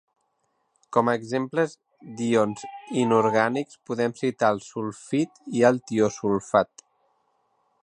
Com a exemples d'ions inorgànics podem citar el sulfit i el tiosulfat.